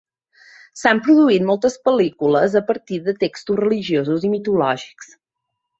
S'han produït moltes pel·lícules a partir de textos religiosos i mitològics.